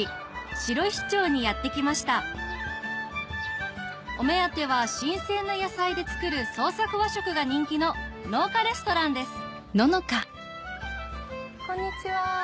白石町にやって来ましたお目当ては新鮮な野菜で作る創作和食が人気の農家レストランですこんにちは。